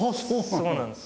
そうなんです。